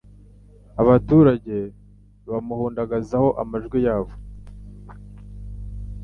abaturage bamuhundagazaho amajwi yabo